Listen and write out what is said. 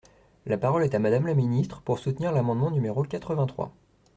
La parole est à Madame la ministre, pour soutenir l’amendement numéro quatre-vingt-trois.